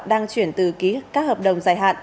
đang chuyển từ ký các hợp đồng dài hạn